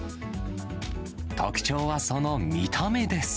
特徴はその見た目です。